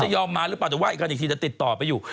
ยอมมาหรือเปล่าแต่ว่าอีกกันอีกทีจะติดต่อไปอยู่